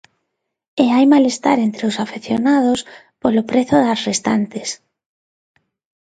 E hai malestar entre os afeccionados polo prezo das restantes.